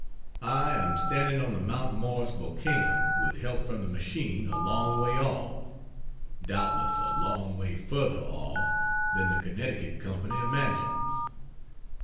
I am standing on the Mount Morris volcano with help from the machine a long way off doubtless a long way further off than the Connecticut Co. imagines.